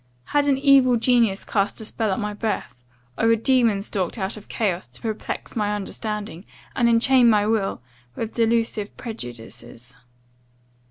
'Had an evil genius cast a spell at my birth; or a demon stalked out of chaos, to perplex my understanding, and enchain my will, with delusive prejudices?